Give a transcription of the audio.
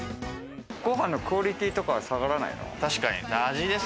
ご飯のクオリティーとかは下がらないの？